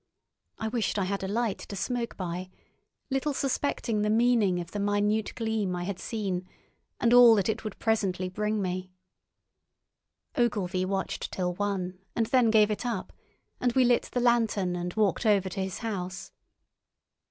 I wished I had a light to smoke by, little suspecting the meaning of the minute gleam I had seen and all that it would presently bring me. Ogilvy watched till one, and then gave it up; and we lit the lantern and walked over to his house.